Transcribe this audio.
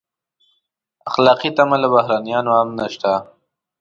اخلاقي تمه له بهرنیانو هم شته.